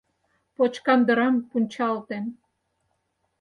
Почкандырам пунчалтен